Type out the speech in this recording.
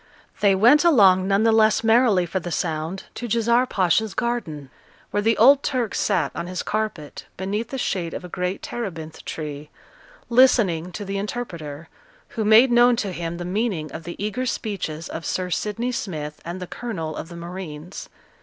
They went along none the less merrily for the sound to Djezzar Pacha's garden, where the old Turk sate on his carpet, beneath the shade of a great terebinth tree, listening to the interpreter, who made known to him the meaning of the eager speeches of Sir Sidney Smith and the colonel of the marines.